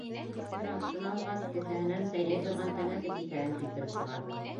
Бер аҙ тын алғас, кеҫәһенән сәйнәй торған тәмәке киҫәген килтереп сығарҙы.